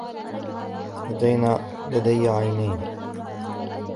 لدي عينين.